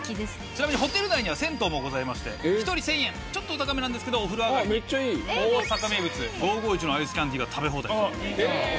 ちなみにホテル内には銭湯もございまして１人１，０００円ちょっとお高めなんですけどお風呂上がりに大阪名物「５５１」のアイスキャンデーが食べ放題と。